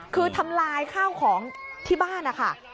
คือทำลายข้าวของที่บ้านนะคะ